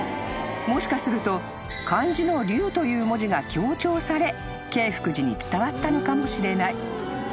もしかすると漢字の龍という文字が強調され景福寺に伝わったのかもしれない］